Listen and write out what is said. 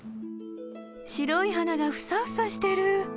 白い花がフサフサしてる。